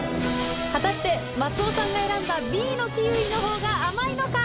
果たして松尾さんが選んだＢのキウイのほうが甘いのか？